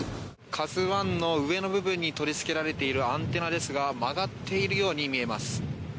「ＫＡＺＵ１」の上の部分に取り付けられているアンテナですが曲がっているように見えます。